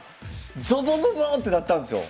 ゾゾゾゾーッてなったんですよ。